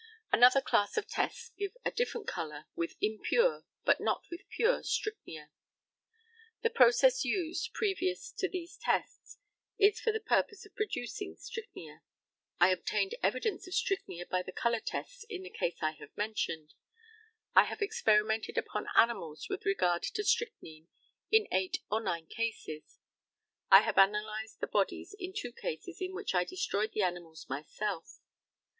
Another class of tests give a different colour with impure, but not with pure, strychnia. The process used previous to these tests is for the purpose of producing strychnia. I obtained evidence of strychnia by the colour tests in the case I have mentioned. I have experimented upon animals with regard to strychnine in eight or nine cases. I have analysed the bodies in two cases in which I destroyed the animals myself.